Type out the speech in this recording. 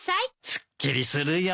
すっきりするよ。